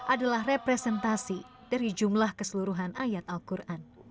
adalah representasi dari jumlah keseluruhan ayat al quran